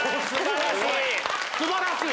素晴らしい！